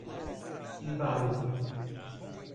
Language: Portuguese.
Imbaú